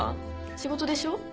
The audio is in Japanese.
仕事でしょ？